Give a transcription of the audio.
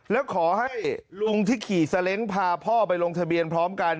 แล้วขอให้ลุงที่ขี่ซาเล้งพาพ่อไปลงทะเบียนพร้อมกัน